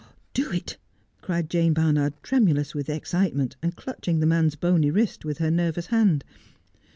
'Do it,' cried Jane Barnard, tremulous with excitement, and clutching the man's bonv wrist with her nervous hand.